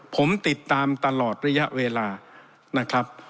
ผมติดตามตลอดระยะเวลานะครับ